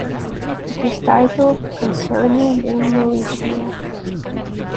It is titled Concerning the Militia.